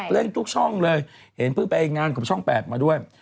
เล่นทุกช่องเลยเห็นเพิ่งไปงานกับช่อง๘มาด้วย